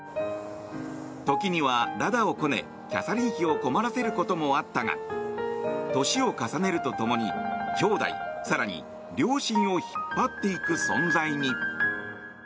時には駄々をこねキャサリン妃を困らせることもあったが年を重ねると共にきょうだい、更に両親を引っ張っていく存在に。